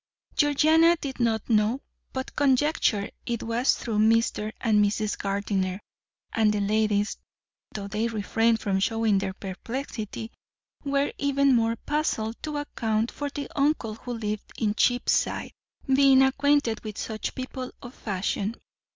Georgiana did not know, but conjectured it was through Mr. and Mrs. Gardiner; and the ladies, though they refrained from showing their perplexity, were even more puzzled to account for the uncle who lived in Cheapside being acquainted with such people of fashion.